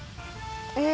え？